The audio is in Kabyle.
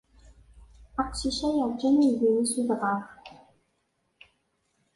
Aqcic-a yeṛjem aydi-nni s udɣaɣ.